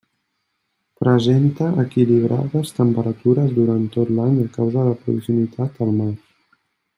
Presenta equilibrades temperatures durant tot l'any a causa de la proximitat al mar.